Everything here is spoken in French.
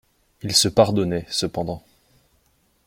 Il se pardonnait, cependant.